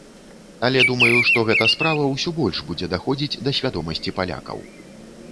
Але думаю, што гэта справа ўсё больш будзе даходзіць да свядомасці палякаў.